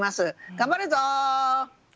頑張るぞ！